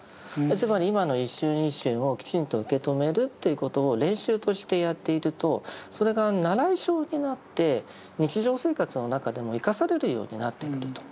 つまり今の一瞬一瞬をきちんと受け止めるということを練習としてやっているとそれが習い性になって日常生活の中でも生かされるようになってくると。